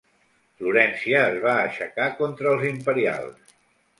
Florència es va aixecar contra els imperials.